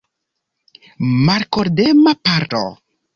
Malakordema paro?